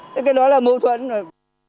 thế cái đó là mâu thuẫn rồi